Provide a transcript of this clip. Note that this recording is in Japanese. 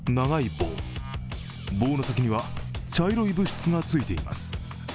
棒の先には茶色い物質がついています。